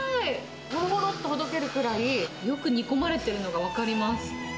ほろほろっとほどけるくらいよく煮込まれてるのが分かります。